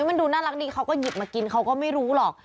มันดูน่ารักดีเขาก็หยิบมากินเขาก็ไม่รู้หรอก